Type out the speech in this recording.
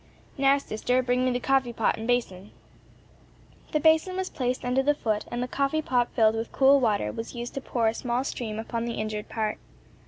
"Now, sister, bring me the coffee pot and a basin." The basin was placed under the foot, and the coffee pot filled with cool water was used to pour a small stream upon the injured part.